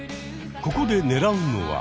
ここで狙うのは。